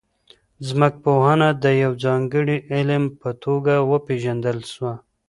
ځمکپوهنه د یو ځانګړي علم په توګه وپیژندل سوه.